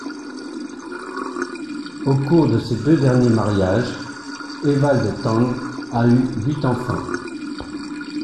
Au cours de ses deux derniers mariages, Evald Tang a eu huit enfants.